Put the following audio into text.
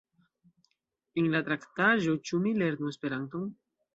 En la traktaĵo Ĉu mi lernu Esperanton?